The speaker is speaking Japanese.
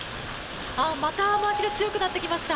また雨脚が強くなってきました。